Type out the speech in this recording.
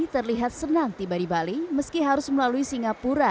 terlihat senang tiba di bali meski harus melalui singapura